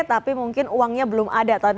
tapi mungkin uangnya belum ada